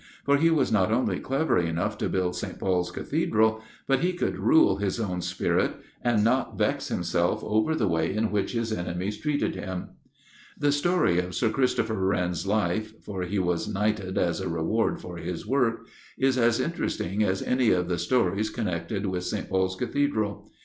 For he was not only clever enough to build St. Paul's Cathedral, but he could rule his own spirit, and not vex himself over the way in which his enemies treated him. The story of Sir Christopher Wren's life for he was knighted as a reward for his work is as interesting as any of the stories connected with St. Paul's Cathedral.